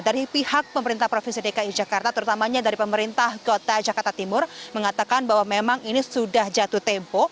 dari pihak pemerintah provinsi dki jakarta terutamanya dari pemerintah kota jakarta timur mengatakan bahwa memang ini sudah jatuh tempo